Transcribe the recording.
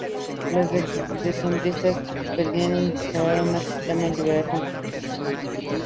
Los decembristas pretendían instaurar un sistema liberal constitucional.